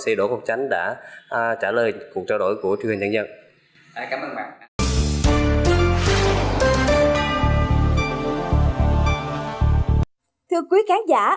sĩ đỗ công chánh đã trả lời cuộc trao đổi của chương trình nhân dân cảm ơn bạn thưa quý khán giả